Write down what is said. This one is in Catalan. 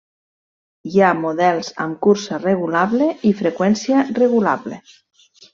Hi ha models amb cursa regulable i freqüència regulable.